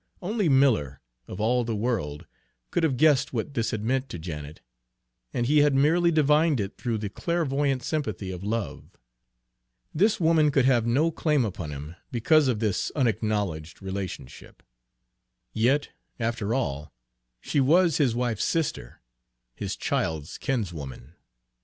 Only Miller, of all the world, could have guessed what this had meant to Janet, and he had merely divined it through the clairvoyant sympathy of love. This woman could have no claim upon him because of this unacknowledged relationship. Yet, after all, she was his wife's sister, his child's kinswoman.